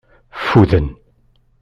Ffuden.